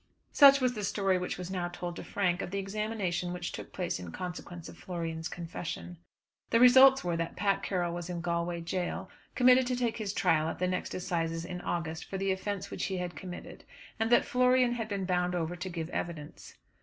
Such was the story which was now told to Frank of the examination which took place in consequence of Florian's confession. The results were that Pat Carroll was in Galway jail, committed to take his trial at the next assizes in August for the offence which he had committed; and that Florian had been bound over to give evidence.